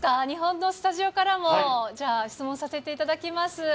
日本のスタジオからも、じゃあ質問させていただきます。